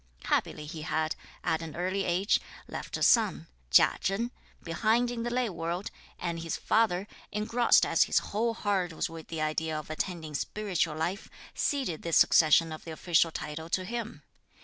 Happily, he had, at an early age, left a son, Chia Chen, behind in the lay world, and his father, engrossed as his whole heart was with the idea of attaining spiritual life, ceded the succession of the official title to him.